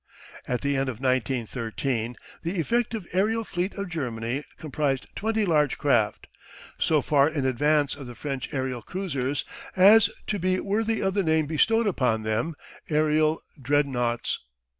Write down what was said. At the end of 1913 the effective aerial fleet of Germany comprised twenty large craft, so far in advance of the French aerial cruisers as to be worthy of the name bestowed upon them "Aerial Dreadnoughts."